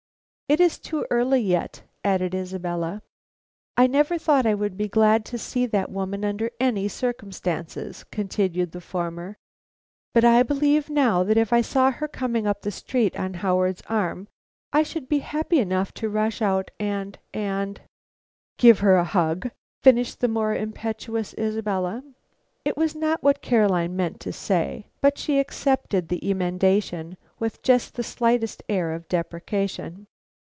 "It is too early yet," added Isabella. "I never thought I would be glad to see that woman under any circumstances," continued the former, "but I believe now that if I saw her coming up the street on Howard's arm, I should be happy enough to rush out and and " "Give her a hug," finished the more impetuous Isabella. It was not what Caroline meant to say, but she accepted the emendation, with just the slightest air of deprecation.